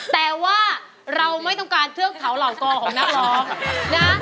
แต่ว่าเราไม่ต้องการเทือกเขาเหล่ากอของนักร้องนะ